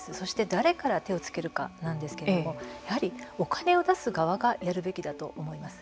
誰から手をつけるかなんですけれどもお金を出す側がやるべきだと思います。